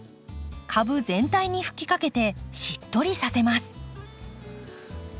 株全体に吹きかけてしっとりさせます。